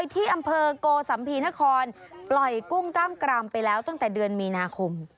ที่อำเภอโกสัมภีนครปล่อยกุ้งกล้ามกรามไปแล้วตั้งแต่เดือนมีนาคม